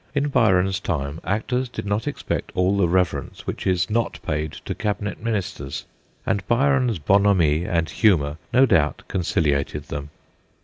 In Byron's time actors did not expect all the reverence which is not paid to cabinet ministers, and Byron's 'bonhomie and humour no doubt conciliated them.